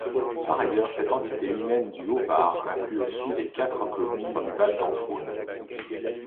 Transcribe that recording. Par ailleurs, cette entité humaine du Haut-Var inclut aussi les quatre communes du Val-d'Entraunes.